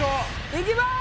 行きます！